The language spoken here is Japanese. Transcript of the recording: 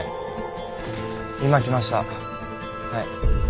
今来ましたはい。